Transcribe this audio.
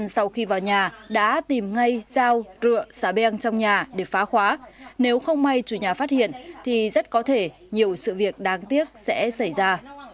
sau khi vào nhà đã tìm ngay dao dựa xá beng trong nhà để phá khóa nếu không may chủ nhà phát hiện thì rất có thể nhiều sự việc đáng tiếc sẽ xảy ra